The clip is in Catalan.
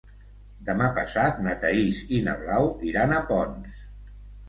Demà passat na Thaís i na Blau iran a Ponts.